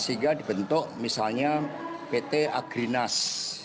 sehingga dibentuk misalnya pt agrinas